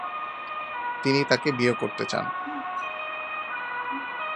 তিনি তাঁকে বিয়ে করতে চান।